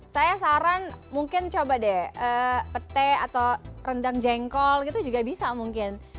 saya saran mungkin coba deh petai atau rendang jengkol gitu juga bisa mungkin